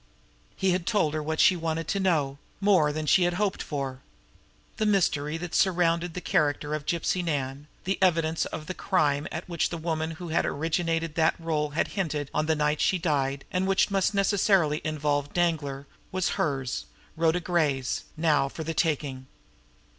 He had told her what she wanted to know more than she had hoped for. The mystery that surrounded the character of Gypsy Nan, the evidence of the crime at which the woman who had originated that role had hinted on the night she died, and which must necessarily involve Danglar, was hers, Rhoda Gray's, now for the taking.